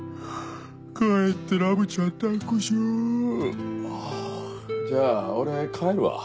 帰ってラブちゃん抱っこしようハァじゃあ俺帰るわ。